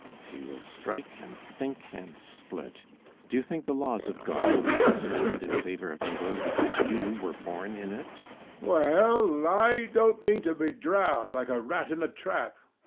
She will strike and sink and split. Do you think the laws of God will be suspended in favor of England because you were born in it? HECTOR. Well, I don't mean to be drowned like a rat in a trap.